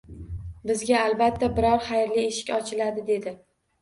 Bizga albatta biror xayrli eshik ochiladi dedi